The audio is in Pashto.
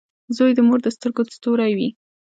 • زوی د مور د سترګو ستوری وي.